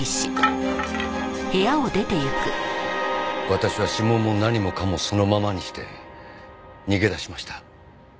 私は指紋も何もかもそのままにして逃げ出しました。